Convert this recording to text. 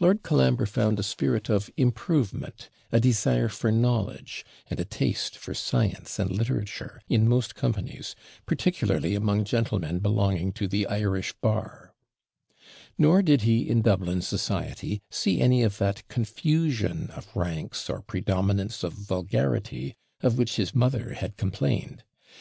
Lord Colambre found a spirit of improvement, a desire for knowledge, and a taste for science and literature, in most companies, particularly among gentlemen belonging to the Irish bar; nor did he in Dublin society see any of that confusion of ranks or predominance of vulgarity of which his mother had complained.